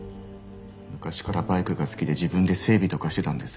昔からバイクが好きで自分で整備とかしてたんです。